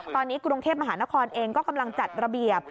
ตอนนี้กรุงเทพมหานครเองก็กำลังจัดระเบียบ